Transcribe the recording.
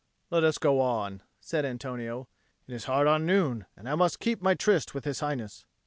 "Let us go on," said Antonio. "It is hard on noon, and I must keep my tryst with His Highness."